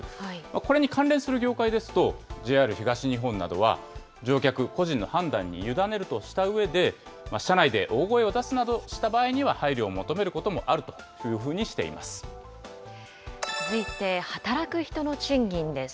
これに関連する業界ですと、ＪＲ東日本などは、乗客個人の判断に委ねるとしたうえで、車内で大声を出すなどした場合には、配慮を求めることもあるとい続いて、働く人の賃金です。